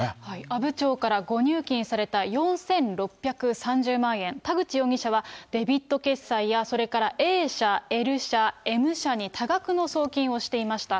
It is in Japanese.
阿武町から誤入金された４６３０万円、田口容疑者はデビット決済や、それからＡ社、Ｌ社、Ｍ社に多額の送金をしていました。